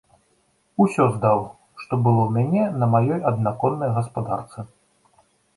Усё здаў, што было ў мяне на маёй аднаконнай гаспадарцы.